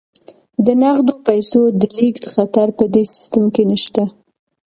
د نغدو پيسو د لیږد خطر په دې سیستم کې نشته.